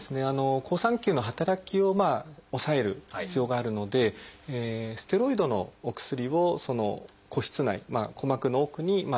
好酸球の働きを抑える必要があるのでステロイドのお薬をその鼓室内鼓膜の奥に実際注射をして。